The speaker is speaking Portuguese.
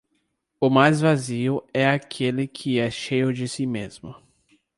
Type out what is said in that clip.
O mais vazio é aquele que é cheio de si mesmo.